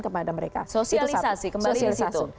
kepada mereka sosialisasi kembali di situ